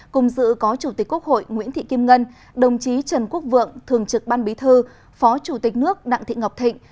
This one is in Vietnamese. cùng dự có chủ tịch quốc hội nguyễn thị kim ngân đồng chí trần quốc vượng thường trực ban bí thư phó chủ tịch nước đặng thị ngọc thịnh